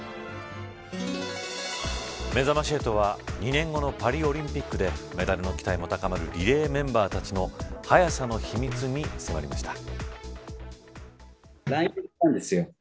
めざまし８は２年後のパリオリンピックでメダルの期待も高まるリレーメンバーたちの速さの秘密に迫りました。